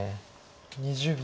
２０秒。